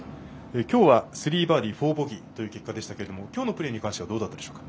今日は３バーディー４ボギーという結果でしたけども今日のプレーに関してはどうだったでしょうか。